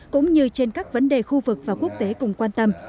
cũng như trên các vấn đề khu vực và quốc tế cùng quan tâm